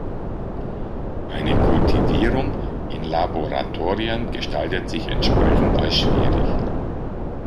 Eine Kultivierung in Laboratorien gestaltet sich entsprechend als schwierig.